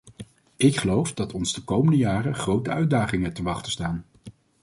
Ik geloof dat ons de komende jaren grote uitdagingen te wachten staan.